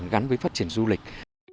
gắn với phát triển du lịch